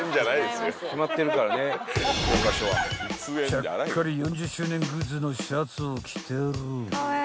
［ちゃっかり４０周年グッズのシャツを着てる］